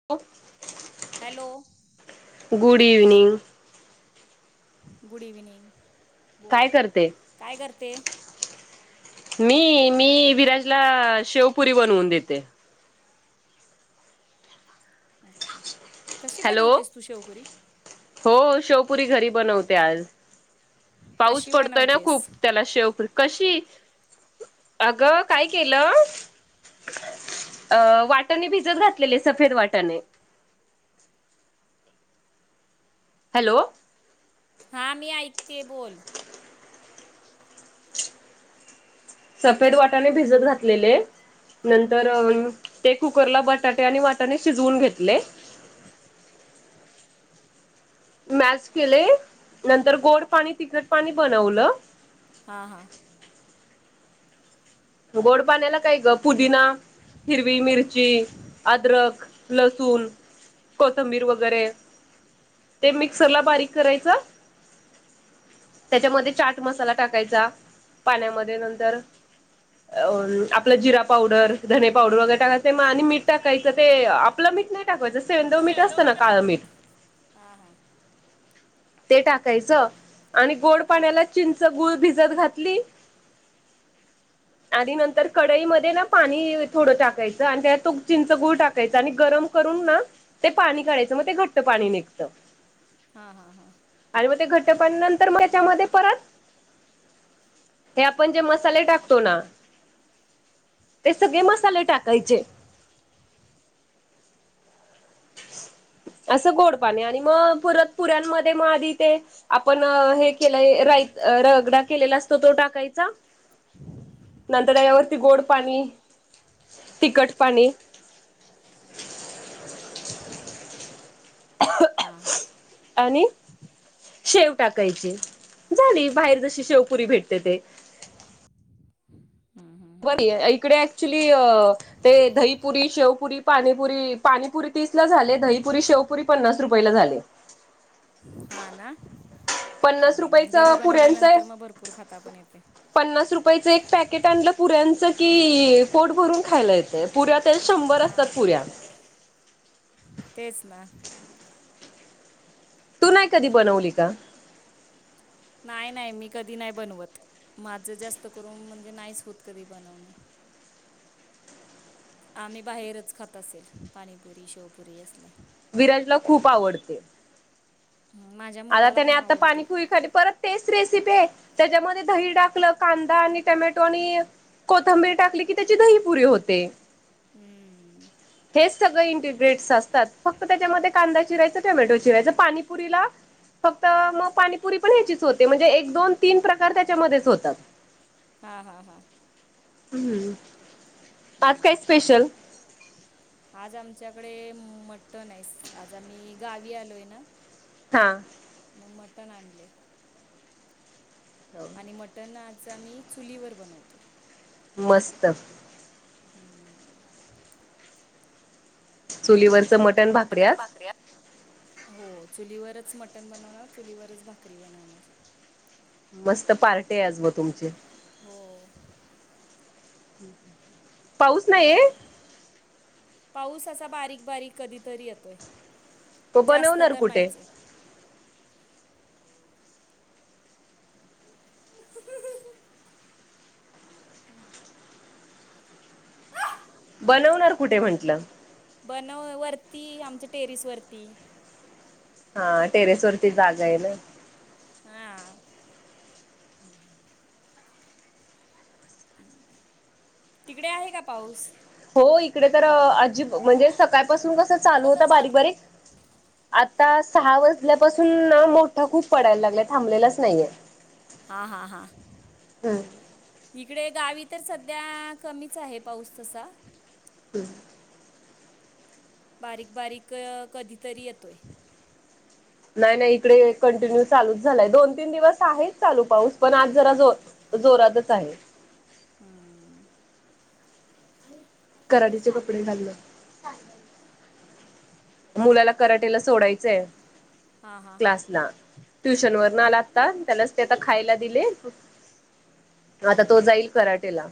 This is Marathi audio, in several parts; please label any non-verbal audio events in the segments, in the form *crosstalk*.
*unintelligible* Hello. Good evening. Good evening. बोल काय करते? काय करते मी मी विराजला शेवपुरी बनवून देते. ओके. कशी हॅलो बनवतेस तू शेवपुरी? हो. शेवपुरी घरी बनवते आज. पाऊस कशी पडतोय ना खूप बनवतेस त्याला शेवप कशी? अगं काय केलं? अ वाटाने भिजत घातलेले सफेद वाटाणे. हॅलो. हा. मी ऐकते बोल. सफेद वाटाणे भिजत घातलेले. नंतर ते कुकरला बटाटे आणि वाटाणे शिजवून घेतले. मॅस केले. नंतर गोड, पाणी तिखट पाणी बनवलं. हा हा. गोड पाण्याला काय ग पुदिना, हिरवी मिरची, अद्रक लसूण, कोथंबीर वगैरे ते मिक्सर ला बारीक करायचं. त्याच्यामध्ये चाट मसाला टाकायचा पाण्यामध्ये नंतर अ आपला जिरा पावडर, धणे पावडर वगैरे टाकायचं मग आणि मीठ टाकायचं ते आपलं मीठ नाही टाकवायचं सेंधव मीठ असत ना काळमीठ. हा हा. ते टाकायचं आणि गोड पाण्याला चिंच, गूळ भिजत घातली *inaudible* आणि नंतर कडईमध्ये न पाणी थोडं टाकायचं आणि त्यात तो चिंच, गुळ टाकायचं आणि गरम करून ना ते पाणी काढायचं मग ते घट्ट पाणी निघत. हा हा हा. आणि मग ते घट्टपण नंतर मग त्याच्यामध्ये परत ते आपण जे मसाले टाकतो ना ते सगळे मसाले टाकायचे. *inaudible* असं गोड पाणी आणि मग परत पुऱ्यांमध्ये मग आधी ते आपण हे केल्या राईत रगडा केलेला असतो तो टाकायचा. नंतर त्यावरती गोड पाणी, तिखट पाणी *inaudible* हां हां आणि शेव टाकायची झाली बाहेर जशी शेवपुरी भेटते ते. *inaudible* हम्म, हम्म, हम्म. इकडे ऍक्च्युली ते दहीपुरी, शेवपुरी, पाणीपुरी, पाणीपुरी तीस ला झाले दहीपुरी, शेवपुरी पन्नास रुपयेला झालीय. हा ना पन्नास घरी रुपयाच पुऱ्यांचं बनवल्यानंतर मग भरपूर खाता पण येते. पन्नास रुपयाचं एक पॅकेट आणलं पुऱ्यांचं की पोट भरून खायला येतय पुऱ्या तर शंभर असतात हां पुऱ्या तेच ना तू नाही कधी बनवली का? नाही नाही मी कधी नाही बनवत माझं जास्त करून म्हणजे नाहीच होत कधी बनवणं. आम्ही बाहेरच खात असेल पाणीपुरी, शेवपुरी असल. विराजला खूप आवडते. माझ्या आता मुलाला त्याने पण आता पाणी आवडते. पुरी साठी परत तेच रेसिपी आहे त्याच्यामध्ये दही टाकलं, कांदा आणि टोमॅटो आणि कोथंबीरी टाकली की त्याची दही पुरी होते. हम्म हेच सगळ इनग्रेडिएट्स असतात फक्त त्याच्यामध्ये कांदा चिरायचं, टोमॅटो चिरायच, पाणीपुरीला फक्त मग पाणीपुरी पण ह्याचीच होते म्हणजे एक दोन तीन प्रकार त्याच्यामध्येच होतात. हा हा हां हम्म आज काय हं. स्पेशल? आज आमच्याकडे मटण आहे आज आम्ही गावी आलोय ना. हां मग मटण आणले. आणि मटण आज आम्ही चुलीवर बनवतोय. मस्त हम्म चुलीवरच मटण भाकरी मटण आज भाकऱ्या हो चुलीवरच मटण बनवणार चुलीवरच भाकरी बनवणार. मस्त पार्टी आहे आज मग तुमची. हो *inaudible* पाऊस नाहीये पाऊस असा बारीक बारीक कधीतरी येतोय. मग जास्त बनवणार तर कुठे नाहीचय. *inaudible* बनवणार कुठे म्हंटल? बनव वरती आमच्या टेरेस वरती. हा टेरेस वरती जागा आहे ना हां तिकडे आहे का पाऊस? हो इकडे तर *unintelligible* म्हणजे सकाळपासून कसं चालू होत बारीक बारीक आता सहा वाजल्यापासूना मोठं खूप पडायला लागलं थांबलेलाच नाहीये हा हा हा हम्म. इकडे गावी तर सध्या कमीच आहे पाऊस तसा *unintelligible* बारीक बारीक कधीतरी येतोय नाही नाही इकडे कंटिन्यू चालूच झालाय दोन तीन दिवस आहेत चालू पाऊस पण आज जरा जो जोरातच आहे हम्म कराडीचे कपडे *unintelligible* *unintelligible* मुलाला कराटेला सोडायचंय हां हां हम्म. क्लासला ट्युशन वरन लागतात त्याला ते आता खायला दिले आता तो जाईल कराटेला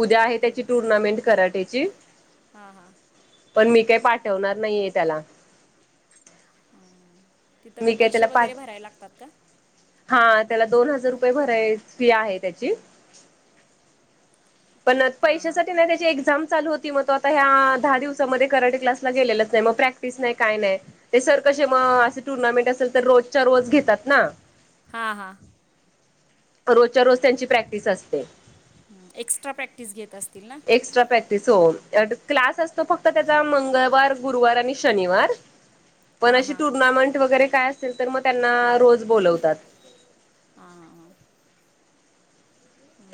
उद्या आहे त्याची टुर्नामेंट कराटेची *unintelligible* पण मी काय पाठवणार नाहीये त्याला हम्म. तिथं का मी काय त्याला पैसे पाठ वगैरे भरायला लागतात का हा त्याला दोन हजार रुपये भरायची आहे त्याची पण हां हां पैशासाठी नाही त्याची एक्झाम चालू होत *unintelligible* तो आता ह्या दहा दिवसामध्ये कराटे क्लासला गेलेलाच नाही मग प्रॅक्टिस नाही काय नाही ते सर कसे मग असे टूर्नामेंट असेल तर रोजच्या रोज घेतात ना हां हां रोजच्या रोज त्यांची प्रॅक्टिस असते एक्स्ट्रा प्रॅक्टिस घेत ना एक्स्ट्रा प्रॅक्टिस हो क्लास असतो फक्त त्याचा मंगळवार गुरुवार आणि शनिवार पण हां अशी हां टुर्नामेंट वगैरे काय असेल तर मग त्यांना रोज बोलवतात *unintelligible*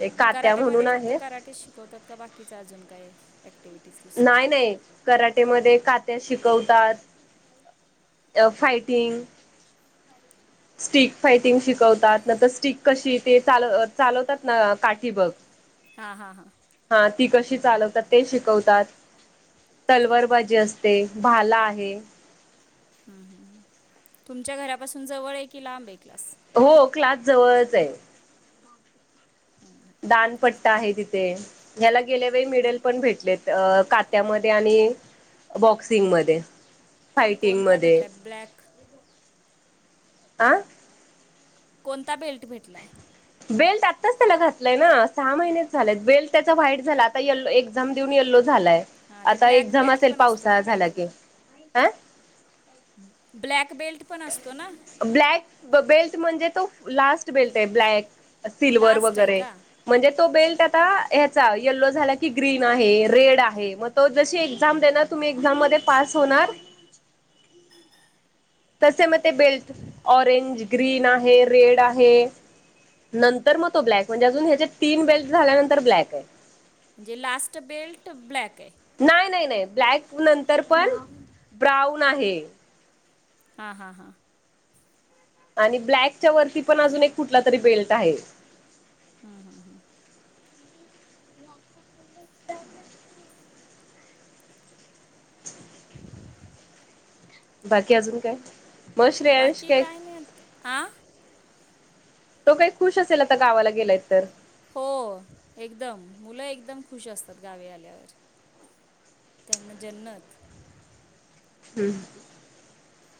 एक कात्या कराटेमध्ये म्हणून फक्त आहे कराटेच शिकवतात का बाकीच अजून काय ॲक्टिव्हिटीज दुसऱ्या नाय नाय कराटेमध्ये कात्या शिकवतात *unintelligible* फायटिंग स्टिक फायटिंग शिकवतात न तर स्टक कशी ते चाल चालवतात ना काठी बग *unintelligible* हा हा हां हा ती कशी चालवतात ते शिक होतात. तलवार बाजी असते, भाला आहे. हम् हम तुमच्या घरापासून जवळ आहे की लांब एक क्लास हो क्लास जवळच आहे दानपट्टा ठीक आहे तिथे ह्याला गेल्या वेळी मिडल पण भेटलेत अ कात्यामध्ये आणि बॉक्सिंगमध्ये कोणता फायटिंगमध्ये भेटलाय ब्लॅक आं कोणता बेल्ट भेटलाय बेल्ट आत्ताच त्याला घातलंय ना सहा महिनेच झालेय बेल्ट त्याचा व्हाईट झाला आता यलो एक झाम देऊन येल्लो झालाय हां ते आता ब्लॅक एकझाम बेल्ट असेल पण असतो पावसाळा ना झाला काहीतरी की. आ? ब्लॅक बेल्ट पण असतो ना? ब्लॅक बेल्ट म्हणजे तो लास्ट बेल्ट आहे ब्लॅक सिल्वर लास्ट आहे वगैरे का म्हणजे तो हम्म. बेल्ट आ हचा यलो झाला की ग्रीन आहे रेड आहे मग तो जशी एक्झाम दे तुम्ही एक्झाम मध्ये पास होणार तसे मग ते बेल्ट ऑरेंज ग्रीन आहे रेड आहे नंतर मग तो ब्लॅक म्हणजे अजून ह्याच्या तीन बेल्ट झाल्यानंतर ब्लॅक आहे म्हणजे लास्ट बेल्ट ब्लॅक आहे नाही नाही नाही ब्लॅक नंतर पण ब्राऊन आहे हां हां हां आणि ब्लॅकच्या वरती पण अजून एक कुठला तरी बेल्ट आहे हम् हम् हम् ह ह बाकी अजून काय? मग श्रेयांश बाकी काय नाही आ तो काही खुश असेल आता गावाला गेलायत तर हो एकदम मुलं एकदम खुश असतात गावे आल्यावर त्यांना जन्नत हम्म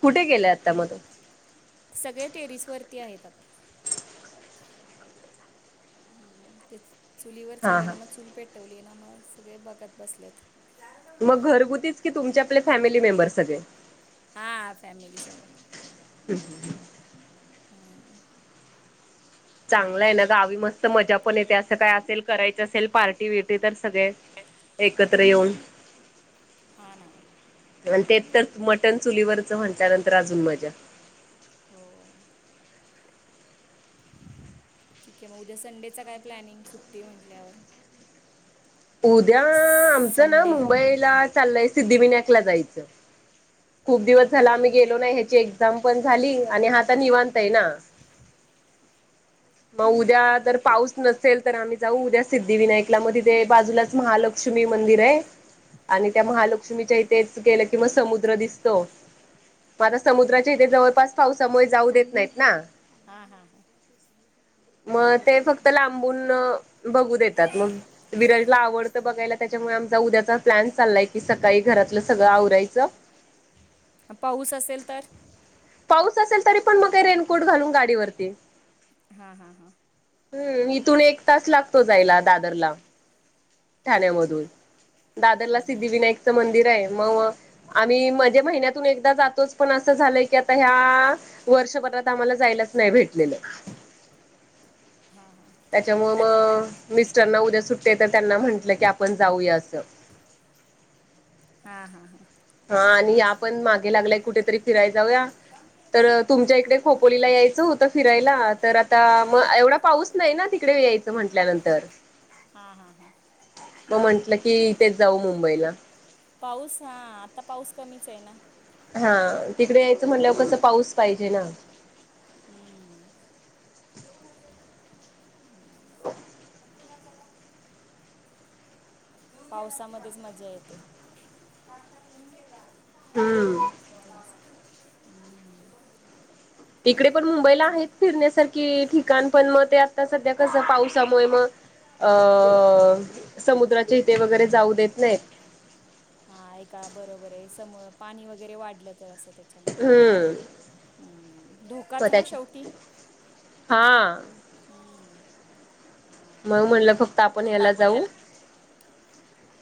कुठे गेलं आता परत? सगळ्या टेरिस वरती आहेत आता ते चुलीवर हा चाले हा ना मग चूल पेटवली ना मग सगळे बघगत बसल्यात मग घरगुतीच की तुमचे आपले फॅमिली मेंबर सगळे हा फॅमिली सगळे हम् ह हा चांगलं आहे ना गावी मस्त मजा पण येते असं काय असेल करायचं असेल पार्टी टी वटी तर सगळे एकत्र येऊन हा ना आणि ते तर मटन चुलीवरच म्हटल्यानंतर अजून मजा हो ठीक आहे मग उद्या संडेचा काय प्लॅनिंग सुट्टी म्हटल्यावर? उद्या आमचं ना संडे हां मुंबईला चाललंय सिद्धिविनायकला जायचं. खूप दिवस झाला हां आम्ही गेलो ना ह्याची एक्झाम पण झाली आणि हा आता निवांताय ना. मग उद्या जर पाऊस नसेल तर आम्ही जाऊ उद्या सिद्धिविनायकला मध्ये ते बाजूलाच महालक्ष्मी लक्ष्मी मंदिर आहे आणि त्या महालक्ष्मीच्या इथेच गेलं की मग समुद्र दिसत हो मग आता समुद्राच्या इथे जवळपास पावसामुळे जाऊ देत नाहीत ना हा हा हा मग ते फक्त जायला लांबून बघू देतात मग विराटला आवडतं बघायला त्याच्यामुळे आमचा उद्याचा प्लॅन चालला आहे की सकाळी घरातलं सगळं आवरायचं पाऊस असेल तर? पाऊस असेल तरी पण मग काही रेनकोट घालून गाडीवरती हा हा हा हम्म इथून एक तास लागतो जायला दादरला हां हां ठाण्यामधून दादरला हम्म. सिद्धिविनायकचं मंदिर आहे मग आम्ही म्हणजे महिन्यातून एकदा जातोच पण असं झालंय की आता ह्या वर्षभात आम्हाला जायलाच नाही भेटलेलं हां हां त्याच्यामुळे मग मिस्टरना उद्या सुट्टी आहे तर त्यांना म्हंटलं की आपण जाऊया असं हा हा हा हा आणि या पण मागे लागल्याय कुठेतरी फिराय जाऊया तर तुमच्या इकडे खोपोलीला यायचं होतं फिरायला तर आता हां मग एवढा पाऊस नाही ना तिकडे या असं म्हटल्यानंतर हा हा हा मग म्हंटलं कीथेच जाऊ मुंबईला पाऊस हा आता पाऊस कमीच आहे ना हा तिकडे यायचं म्हणल्यावर कसं पाऊस पाहिजे ना हम्म हम्म पुन्हा झाला. पावसामध्येच मज्जा येते. ् हम्म तिकडे पण मुंबईला आहे फिरण्यासारखी ठिकाण पण मग त्या आता सध्या कसं पावसामुळे मग अ समुद्राचे हिते वगैरे जाऊ देत नाहीत. हा आहे का बरोबर आहे सम पाणी वगैरे वाढलं तर असं त्या मुळे हम्म हम्म धोकाच ना शेवटी हां हमम मग म्हणलं फक्त आपण या्याला जाऊ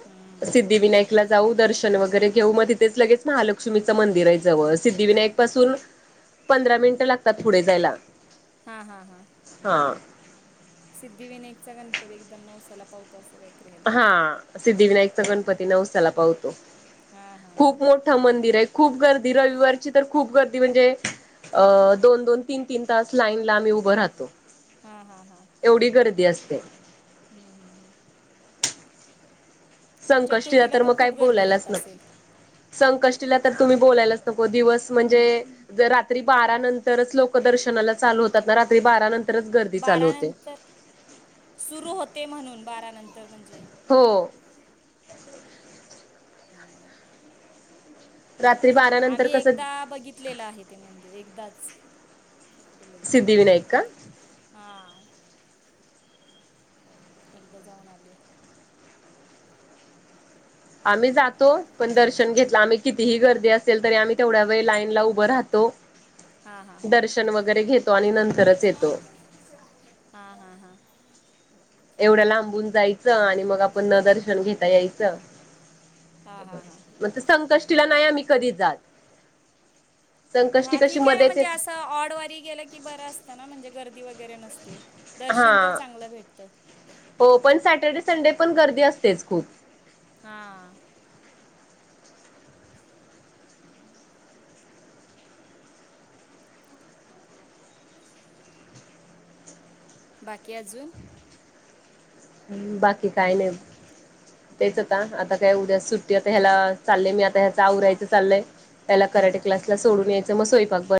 हम्म. सिद्धिविनायकला जाऊ दर्शन वगैरे घेऊ मग तिथेच लगेच महालक्ष्मीचं मंदिर आहे जवळ सिद्धिविनायक पासून पंधरा मिनिटं लागतात पुढे जायला. हा हा हा हां सिद्धिविनायकचा गणपती एकदम नौवसाला पावतो असं का हा सिद्धिविनायकचा गणपती नऊसाला पाहतो हा हा हा. खूप मोठ मंदिर आहे खूप गर्दी रविवारची तर खूप गर्दी म्हणजे अ दोन दोन तीन तीन तास लाईन ला आम्ही उभं राहतो. हा हा हा एवढी गर्दी असते. हम्म हम्म हम् संकष्टला चतुर्थीला तर मग काय खूप गर्दी बोलायलाच राहत नको. असेल? संकष्टीला तर तुम्ही बोलायलाच नको दिवस म्हणजे जर रात्री बारा नंतरच लोक दर्शनाला चालू होतात ना रात्री बारा नंत बारा नंतर सुरू होते म्हणून बारा नंतर म्हणजे हो ह रात्री बारा ठीक नंतर आम्ही कसं एकदा बघित कलेला आहे त्या मंदिर एकदाच केलेलं आहे. सिद्धिविनायक का हां एकदा जाऊन आले. आम्ही जातो पण दर्शन घेतलं आम्ही कितीही गर्दी असेल तरी आम्ही तेवढ्या वेळ लाईनला उभं राहतो, दर्श वगैरे घेतो आणि नंत हा हा हा एवढ्या लांबून जायचं आणि मग आपण न दर्शन घेता यायचं. हां हां हां. म संकष्टीला नाही आम्ही कधी जात. संकष्टी कशी मध्यच ए ऑड वारी गेलं की बर असतं ना म्हणजे गर्दी वगैरे नसते. दर्शन तर हा चांगलं भेटतं हो पण सॅटर्डे, संडे पण गर्दी असतेच खूप. हा हम्म बाकी अजून? ह् बाकी काही नाही. तेच आता आता काय उद्या सुट्टी आता ह्या चालय मी आता ह्याच आवरायचं चालय. त्याला कराट क्लास ला सोडून यायचं मग स्वयपाक बन